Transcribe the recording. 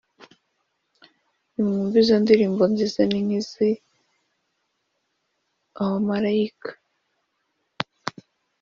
Nimwumve izo ndirimbo nziza, Ni nk’ iz’ abamarayika,